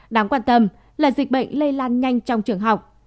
đáng quan tâm là dịch bệnh lây lan nhanh trong trường học